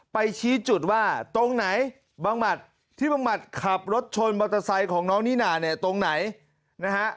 ไปชี้จุดว่าตรงไหนบังหมัดที่บังหมัดขับรถชนมอเตอร์ไซค์ของน้องนิน่าเนี่ยตรงไหนนะฮะ